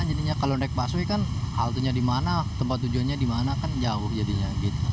jadinya kalau naik pasway kan hal itu dimana tempat tujuannya dimana kan jauh jadinya